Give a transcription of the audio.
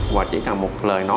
và chỉ là một lời nói